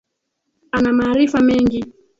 Ana maarifa mengi.